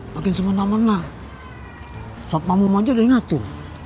makin semena mena sob mamu maju udah ingatur